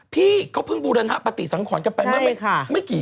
พี่เขาเพิ่งบูรณาปฏิสังขรกันไป